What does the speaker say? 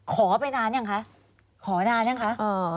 ขอไปนานหรือยังคะ